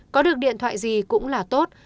có được điện thoại gì cũng là tốt